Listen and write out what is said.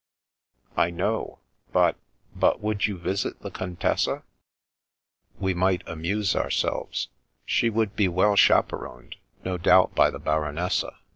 " I know. But — ^but would you visit the Con tessa ?"" We might amuse ourselves. She would be well chaperoned, no doubt by the Baronessa.